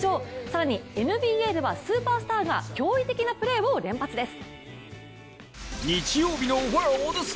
さらにＮＢＡではスーパースターが驚異的なプレーを連発です。